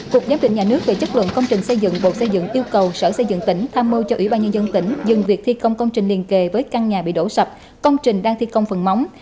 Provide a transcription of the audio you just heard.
cục giám định nhà nước về chất lượng công trình xây dựng bộ xây dựng yêu cầu sở xây dựng tỉnh tham mưu cho ủy ban nhân dân tỉnh dừng việc thi công công trình liền kề với căn nhà bị đổ sập công trình đang thi công phần móng